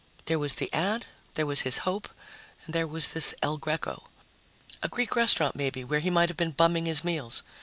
There was the ad, there was his hope, and there was this El Greco. A Greek restaurant, maybe, where he might have been bumming his meals.